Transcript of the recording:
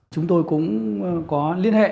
chúng tôi cũng có liên hệ